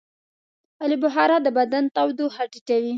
آلوبخارا د بدن تودوخه ټیټوي.